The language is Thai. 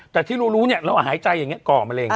แต่ที่เรารู้เนี่ยเราหายใจอย่างนี้ก่อมะเร็ง